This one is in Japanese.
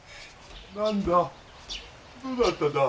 何だ？